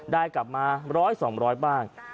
ได้กลับมาร้อยสองร้อยบ้าง